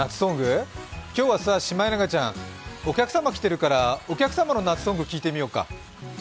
今日はさ、シマエナガちゃんお客様が来てるからお客様の夏ソング聴いてみようか。